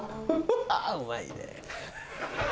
あうまいね。